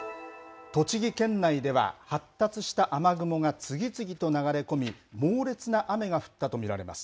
栃木県内では、発達した雨雲が次々と流れ込み、猛烈な雨が降ったと見られます。